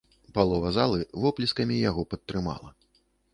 Палова залы воплескамі яго падтрымала.